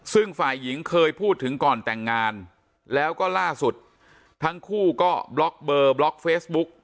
ซึ่งฝ่ายหญิงเคยพูดถึงก่อนแต่งงานแล้วก็ล่าสุดทั้งคู่ก็บล็อกเบอร์บล็อกเฟซบุ๊ก